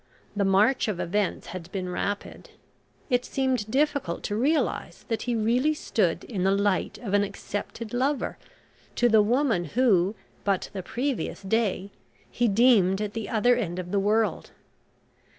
The march of events had been rapid. It seemed difficult to realise that he really stood in the light of an accepted lover to the woman who, but the previous day, he deemed at the other end of the world...